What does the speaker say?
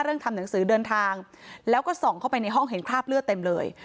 ทำหนังสือเดินทางแล้วก็ส่องเข้าไปในห้องเห็นคราบเลือดเต็มเลย